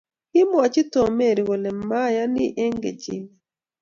kimwoch Tom Mary kole mayani eng kechimen